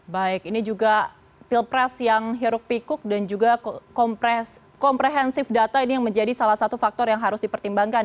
baik ini juga pilpres yang hiruk pikuk dan juga komprehensif data ini yang menjadi salah satu faktor yang harus dipertimbangkan